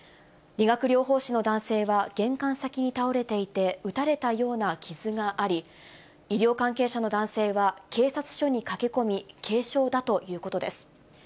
理学療法士の男性は、玄関先に倒れていて、撃たれたような傷があり、医療関係者の男性は、警察署に駆け込み、軽傷だということです。